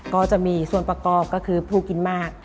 ก็จะมีส่วนประกอบก็คือผู้กินมาก